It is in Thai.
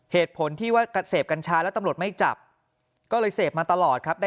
เหตุผลที่ว่าเสพกัญชาแล้วตำรวจไม่จับก็เลยเสพมาตลอดครับ